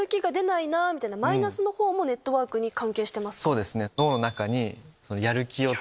そうですね。